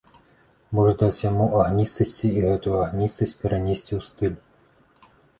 Больш даць яму агністасці і гэтую агністасць перанесці ў стыль.